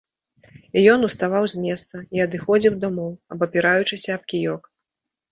І ён уставаў з месца і адыходзіў дамоў, абапіраючыся аб кіёк.